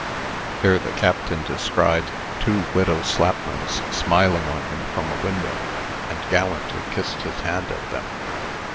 Here the Captain descried two widow Slapmans smiling on him from a window, and gallantly kissed his hand at them.